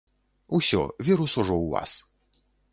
Усё, вірус ужо ў вас.